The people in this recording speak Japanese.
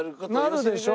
なるでしょ？